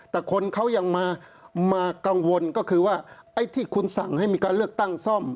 แต่คนเขายังมากังวลก็คือว่าไอ้ที่คุณสั่งให้มีการเลือกตั้งซ่อม